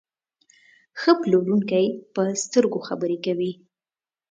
ښه پلورونکی په سترګو خبرې کوي.